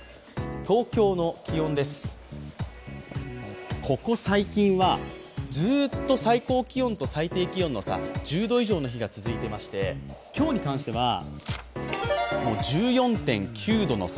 東京の気温です、ここ最近はずっと最高気温と最低気温の差１０度以上の日が続いていまして、今日に関しては１４．９度の差。